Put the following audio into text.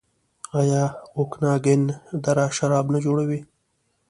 آیا اوکاناګن دره شراب نه جوړوي؟